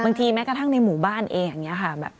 แม้กระทั่งในหมู่บ้านเองอย่างนี้ค่ะ